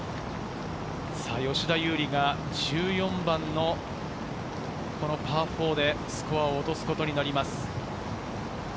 吉田優利が１４番のパー４でスコアを落とすことになります。